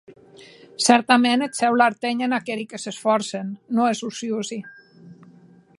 Cèrtament eth Cèu l’artenhen aqueri que s’esfòrcen, non es ociosi.